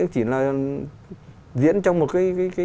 chỉ là diễn trong một cái